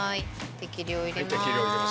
適量入れまーす。